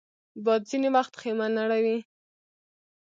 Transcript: باد ځینې وخت خېمه نړوي